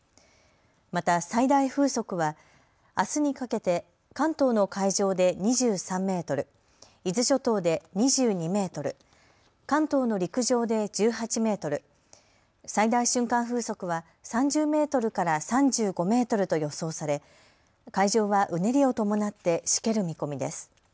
また、最大風速はあすにかけて関東の海上で２３メートル、伊豆諸島で２２メートル、関東の陸上で１８メートル、最大瞬間風速は３０メートルから３５メートルと予想され海上はうねりを伴ってしける見込みです。